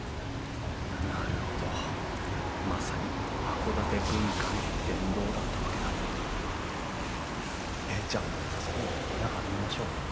なるほどまさに函館文化の殿堂だったわけだじゃあ早速中見ましょうよ！